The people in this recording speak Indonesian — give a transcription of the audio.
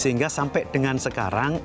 sehingga sampai dengan sekarang